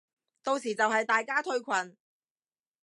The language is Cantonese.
到時就係大家退群